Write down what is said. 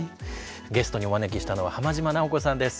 ゲストにお招きしたのは浜島直子さんです。